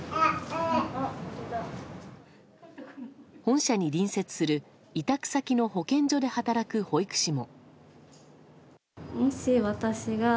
本社に隣接する委託先の保健所で働く保育士も。